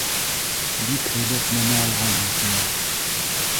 — Бик һәйбәт нәмә алғанһың, — тине.